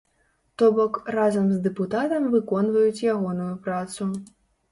То бок, разам з дэпутатам выконваюць ягоную працу.